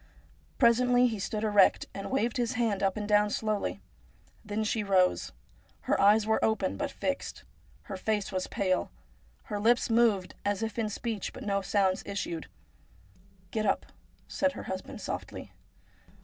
Presently he stood erect, and waved his hand up and down slowly. Then she rose. Her eyes were open, but fixed. Her face was pale. Her lips moved as if in speech, but no sounds issued. ' Get up !' said her husband softly.